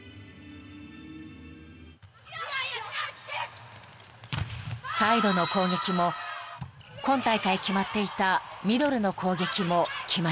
［サイドの攻撃も今大会決まっていたミドルの攻撃も決まりません］